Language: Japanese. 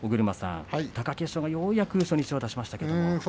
貴景勝がようやく初日を出しました。